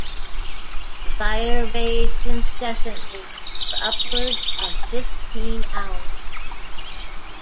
The fire raged incessantly for upwards of fifteen hours.